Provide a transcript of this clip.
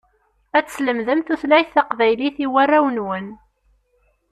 Ad teslemdem tutlayt taqbaylit i warraw-inwen.